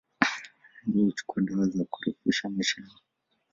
Ambao huchukua dawa za kurefusha maisha yao